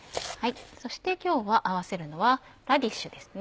そして今日は合わせるのはラディッシュですね。